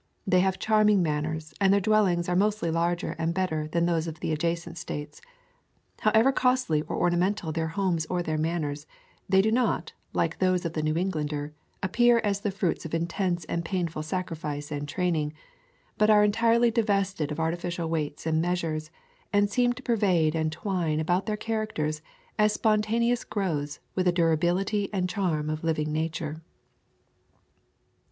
They have charming manners, and their dwellings are mostly larger and better than those of adjacent States. However costly or ornamental their homes or their manners, they do not, like those of the New Englander, appear as the fruits of intense and painful sac rifice and training, but are entirely divested of artificial weights and measures, and seem to pervade and twine about their characters as spontaneous growths with the durability and charm of living nature.